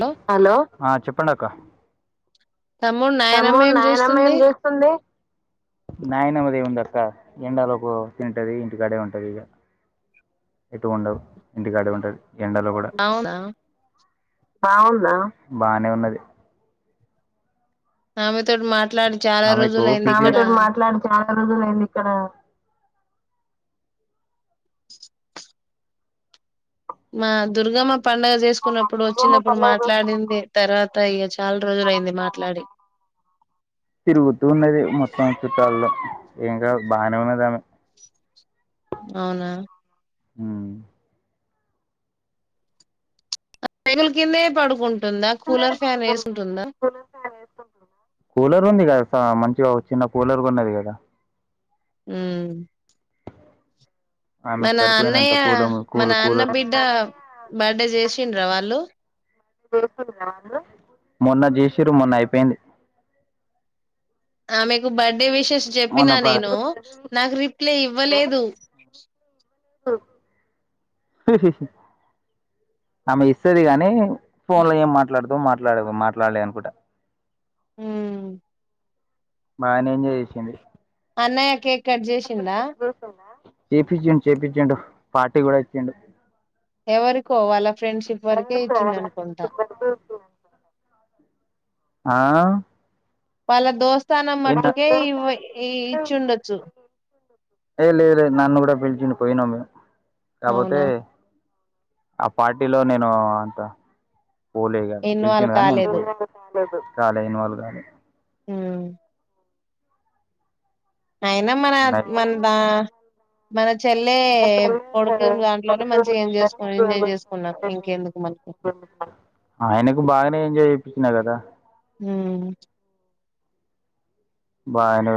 Hello ఆ చెప్పండి అక్క తమ్ముడు నాయనమ్మ ఏం చేస్తుంది నాయనమ్మది ఏం ఉంది అక్క, ఎండాలోపు తింటది, ఇంటికాడే ఉంటది, ఇగ ఎటు ఉండద్ ఇంటికాడే ఉంటది. అవునా బాగుందా ఆమె తోట్ మాట్ ఆమెకు పిచ్చి లే మా దుర్గమ్మా క్ పండుగ చేసుకున్నప్పుడు వచ్చినప్పుడు మాట్లాడింది తర్వాత ఇక చాలా రోజులుయింది మాట్లాడి తిరుగుతూ ఉన్నది మొత్తం చుట్టాల్లో ఇంకా బానే ఉన్నదామె అవునా అ ల్కదే పాడుకుంట ఉంటుందా కూలర్ ఫ్యాన్ వేసుంటుందా కూలర్ ఉంది కదా మంచిగా చిన్న కూలర్గా ఉన్నది కదా అ ఆమెకు మన సరిపోయినంత అన్నయ్య కూలం మన కూల్ అన్న కూలర్ బిడ్డ మన ఉంది బర్డే చేసి చ్చండ్రా వాళ్ళు మొన్న చేసిర మొన్న అయిపోయింది ఆమెకు బర్ అండే విషెస్ మొన్న చెప్పినా బ నేను నాకు రిప్లై ఇవ్వలేదు ఆమె ఇస్తుది కానీ ఫోన్ లో ఏం మాట్లాడదుదు ఎమాట్లాడ మాట్లాడలే అనుకుంటా హ బాగానే ఎంజాయ్ చేసింది అన్నయక కట్ చేసిందా చేయిపిచ్చిం చేయిపిచ్చిండు పార్టీ కూడా ఇచ్చిండు ఎవరికో వాళ్ళ ఫ్రెండ్షిప్ వరకే ఇచ్చిండనుకుంటా ఆ వాళ్ళ దోస్త స్థనం ఏంట మట్టుకే ఈవ ఇచ్చుండచ్చు ఏ లే లేదు నన్ను కూడా పిలిచిండూ పోయినామ్ మేము కాపోతే అవునా ఆ పార్టీలో నేను అంత పోలే ఇగా ఇన్వాల్వ్ పిలిచిండుగానీ నేను కాలేదు పోలే కాలే ఇన్వాల్వ్ కాలే హ్మ్ అయినా మన నైట్ మన్ దా మన చెల్లె కొడుకి దాంట్లోనే మంచి ఏం చేసుకు ఎంజాయ్ చేసుకున్నారు ఇంకెందుకు మనకి ఆయనకు బాగానే ఎంజాయ్ చేపించినా కదా బాగనే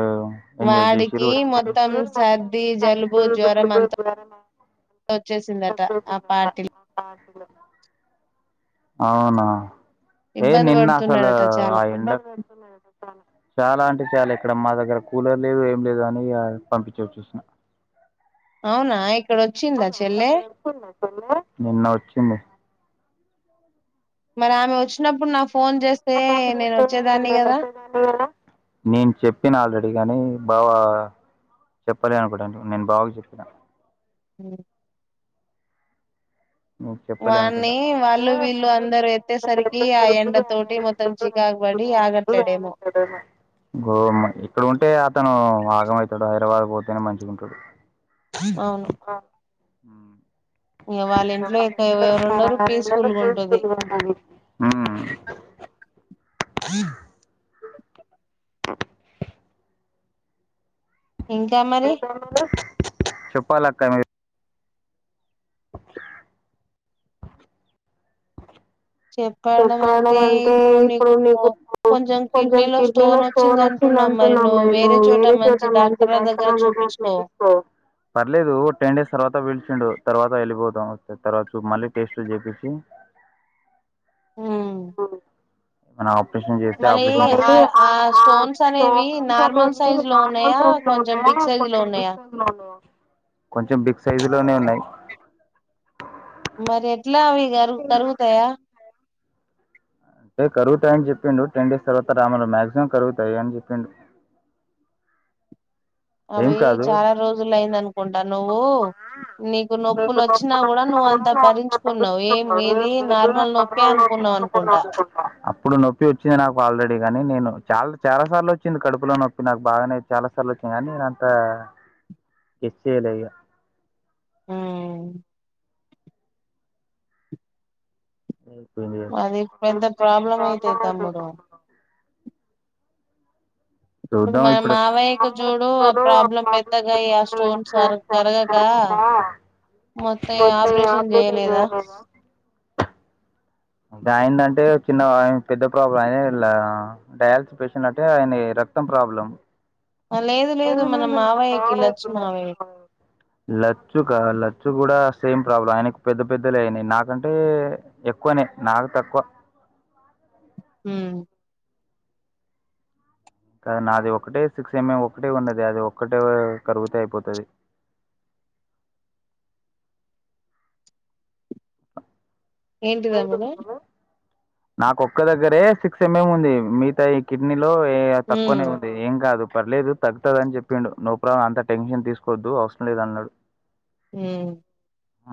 వాడికి మొత్తం సర్ది జలుబు జ్వరం అంత వచ్చేసిందట ఆ పార్టీలో అవునా ఏ ఇబ్బంది నిన్న అసలు పడుతున్నాడట ఆ చాలా ఎండ చాలా అంట చాలా ఇక్కడ మా దగ్గర కూలర్ లేదు ఏం లేదు అని పంపించచ్చూసిన అవునా ఆయ ఇక్కడ వచ్చిందా చెల్లె నిన్న వచ్చింది మరి ఆమె వచ్చినప్పుడు నా ఫోన్ చేస్తే నేను వచ్చేదాన్ని కదా నేను చెప్పినా ఆల్రెడీ కానీ బాబ చెప్పాలి అనుకోంటండి నేను బాగాగా చెప్పినాను హ నీకు చెప్పలే వాణ్ణి అనుకుంటా వాళ్ళు వీళ్ళు అందరూ ఎత్తేసరికి ఆ ఎండ తోటి మొత్తం చికాగబడి ఆగట్లేడేమో గో ఇక్కడ ఉంటే అతను ఆగమవుతాడు హైదరాబాద్ పోతే మంచిగా ఉంటాడు అవును అ ఇగ వాళ్ళ వాల్ ఇక ఇంట్లో ఫ్రీ ఎవరుండరు పీస్ఫుల్ ఉంటది గా ఉంటుంది ఇంకా మరి చెప్పాలక్క మీ చెప్పడం అంటే ఇప్పుడు నీకు కొంచెం కిడ్నీలో స్టోన్ వచ్చింది అంటున్నావు మరి నువ్వు వేరే చోట మంచి డాక్టర్ల దగ్గర చూపించుకో పర్లేదు టెన్ డేస్ తర్వాత పిలిచిండు తర్వాత వెళ్ళిపోతాం వస్తే తర్వాత చూ మళ్ళీ టెస్ట్లు చేపించి ఉమ్, ఆ మన పెషన్ చేసి మళ్ళీ ఆపరేషన్ ఆ చేసి ఆ స్టోన్స్ అనేవి నార్మల్ సైజ్ లో ఉన్నాయా కొంచెం బిగ్ సైజ్ లో ఉన్నాయా కొంచె బిగ్ సైజ్ లోనే ఉన్నాయి మ రేట్ ఎట్లా అవి తరుగుతాయా అంటే కరుగుతాయని చెప్పిండు టెన్ డేస్ తర్వాత రాములు మా్యాక్సిమం కరుగుతాయి అని చెప్పిండు ఏం అవి కాదు చాలా రోజులు అయింద అనుకుంటా నువ్వు నీకు నొప్పులు వచ్చినా కూడా నువ్వు అంతా భరించుకున్నా ఏం ఏది నార్మల్ నొప్పే అనుకున్నావు అనుకుంటా అప్పుడు నొప్పి వచ్చింది నాకు ఆల్రెడీ గాని నేను చాలా చాలా సార్లు వచ్చింది కడుపులో నొప్పి నాకు బాగానే చాలా సార్లు వచ్చింది కాని అంతా ఇచ్చేలే య ఆ అవు అది పెద్ద ప్రాబ్లం అయితే తమ్ముడు ఇప్పుడు మ మావయ్యకు చూడు ఆ ప్రాబ్లం పెద్దగా ఈ ఆ స్టోన్స్ కరగక మొత్తం ఆపరేషన్ చేయలేదా ఒక ఆయనదంటే చిన్న ఆయెన్ పెద్ద ప్రాబ్లం అయినా ఇలా డయాలసిస్ పేషెంట్ అంటే ఆయన రక్తం ప్రాబ్లం ఆ, లేదు లేదు మన మావయ్యకి లచ్చు మావయ్యకి లచ్చు కా లచ్చు కూడా సేమ్ ప్రాబ్లం ఆయనకు పెద్ద పెద్దలే అయినాయి నాకంటే ఎక్కువనే నాకు తక్కువ హ కాద నాది ఒకటే సిక్స్ ఎంఎ ఒకటే ఉన్నది అది ఒక్కటే కరుగుతే అయిపోతది ఏంటిదా మేడం నాకు ఒక్క దగ్గరే సిక్స్ ఎంమ్మే ఉంది మిగతాయి కిడ్నీ లో ఉమ్, తక్కువనే ఉంది ఏం కాదు పర్లేదు తగ్గుతుదని చెప్పిండు నో ప్రాబ్లం అంత టెన్షన్ తీసుకోవద్దు అవసరం లేదన్నాడు హు ఆ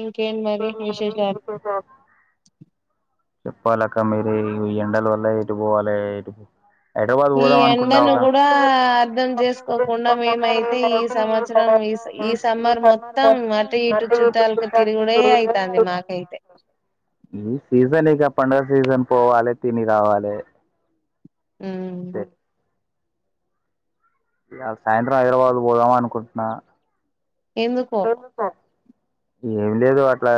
ఇంకేం మరి విశేషాలు చెప్పాల అక్క మీరే ఈ ఎండల వల్ల ఎటు పోవాలి ఎటు పో ఈ ఎండను కూడా అర్ధం చేసుకోకుండా మేమైతే ఈ సంవత్సరం ఈ ఈ సమ్మర్ మొత్తం అటు ఇటు చుట్టాలకు తిరుగుడే అయితంది మాకైతే ఈ సీజన్ ఇక పండగ సీజన్ పోవాలి తిని రావాలి ఉమ్ అంతే ఇ సాయంత్రం హైదరాబాద్ పోదామ అనుకుంటున్నా ఎందుకో ఏమి లేదు అట్లా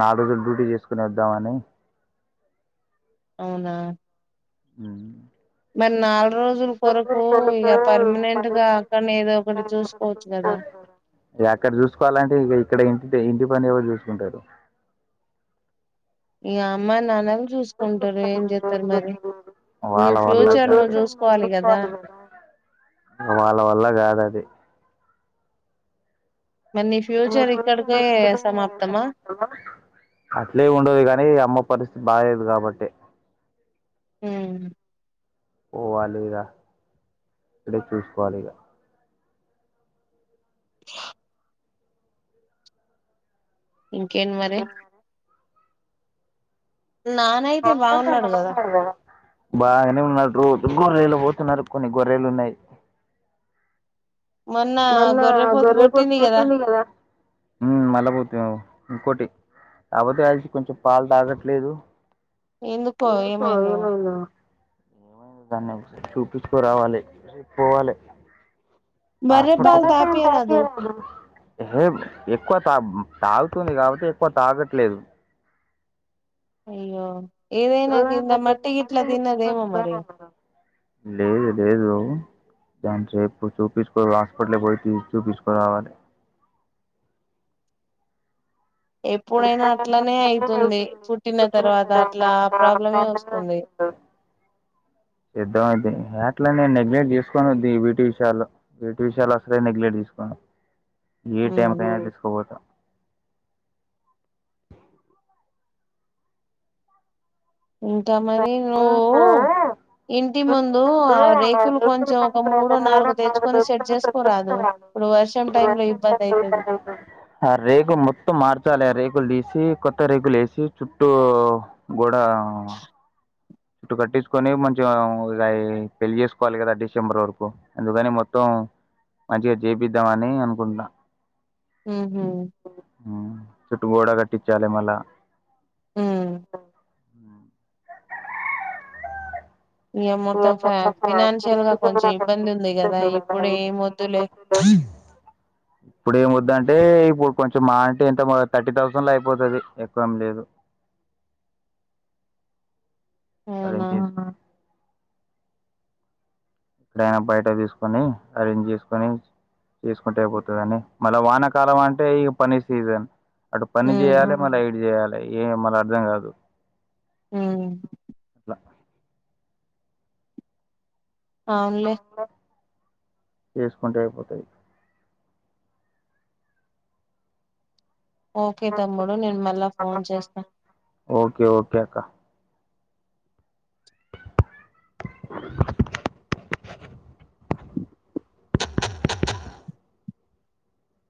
నాలుగు రోజులు డ్యూటీ చేసుకుొని వద్దామని అవునా ఉ మొన్న గా అక్కడనే ఏదో ఒకటి చూసుకోవచ్చు కదా అక్కడ చూసుకోవాలంటే ఇక ఇక్కడ ఏంటి అయితే ఇంటి పని ఎవరు చూసుకుంటారు ఇ అమ్మా నాన్న ల్ చూసుకుంటారు ఏం చేత్తారు మరి నీ వాళ్ళ వల్ల ఫ్యూచర్ నువ్వు కాదు చూసుకోవాలి కదా వాళ్ళ వల్ల కాదు అది మరి నీ ఫ్యూచర్ ఇక్కడికే సమాప్తమా అట్లే ఉండదు కానీ అమ్మ పరిస్థితి బాలేదు కాబట్టే హ్మ్ పోవాలి ఇద ఇక్కడే చూసుకోవాలి ఇక ఇంకేంటి మరి నానయితే బాగున్నాడు కదా బాగానే ఉన్నారు రోజు గొర్రెలు పోతున్నారు కొన్ని గొర్రెలు ఉన్నాయి మొన్న గొర్రెపోతు పుట్టింది కదా హ్మ్ మళ్ళ పుట్టింది ఇంకోటి కాపోతే అలిసి కొంచెం పాలు తాగట్లేదు ఎందుకో ఏమైందో [inaudible] దాన్ని చూపిచ్చుకోరావాలి పోవాలి [inaudible] బర్రె పాలు తాపియరాదు [unintelligible] ఎక్కువ తా తాగుతుంది కాబట్టి ఎక్కువ తాగట్లేదు అయ్యో ఏదైనా కింద మట్టి గిట్ల తిన్నదేమో మరి లేదు లేదు దాన్నిసేపు చూపిచ్చుకో హాస్పిటల్ పోయి తీసి చూపిచ్చుకోరావాలి ఎప్పుడైనా అట్లనే అయితుంది పుట్టిన తర్వాత అట్లా ఆ ప్రాబ్లమే వస్తుంది సిద్ధం అయితే ఏ అట్లనే నెగ్లెక్ట్ చేసుకోను ద్ది ఈ బీటి విషయాల్లో బీటి విషయాలు అసలేే నెగ్లెక్ట్ తీసుకోను ఏ టైమ్ ఉమ్ కైనా తీసుకోబోత ఇంటనే రీ నువ్వు ఇంటి ముందు ఆ రేకులు కొంచెం ఒక మూడో నాలుగో తెచ్చుకొని సెట్ చేసుకోరాదు ఇప్పుడు వర్షం టైమ్ లో ఇబ్బందైతది కులు తీసి కొత్త రేగులు ఏసి చుట్టూ గోడ చుట్టు కట్టిచ్చుకోని మంచిగా పెళ్ళి చేసుకోవాలి కదా డిసెంబర్ వరకు అందుకని మొత్తం మంచిగా చేపిద్దామని అనుకుంటున్నా ఊ ఊ చుట్టు గోడ కట్టిచ్చాలి మళ్ళ ఉమ్ ఇగ మొత్తం ఫ ఫినాన్షియల్ గా, కొంచెం ఇబ్బంది ఉంది కదా ఇప్పుడ ఏం వద్దులే. ఇప్పుడు ఏం వద్దంటే ఇప్పుడు కొంచెం మా అంటే ఎంత థర్టీ థౌసండ్ లో అయిపోతుది ఎక్కు ఏం లేదు, అదేం అవునా ఏం, ఎక్కడైనా బయట తీసుకొని అరేంజ్ చేసుకొని చేసుకుంటే అయిపోతుందని. మళ్ళా వానకాలం అంటే ఈ పని సీజన్, అటు పని ఉమ్ చేయాలి మళ్ళీ ఇటు చేయాల, ఏ మల్ల అర్ధం కాదు, ఉమ్ అట్లా అవునులే, చేసుకుంటే అయి పోతాయి, ఓకే తమ్ముడు నేను మళ్ళా ఫోన్ చేస్తా, ఓకే ఓకే అక్క